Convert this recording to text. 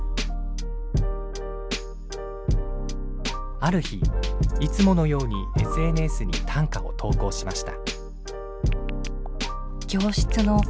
ある日いつものようにＳＮＳに短歌を投稿しました。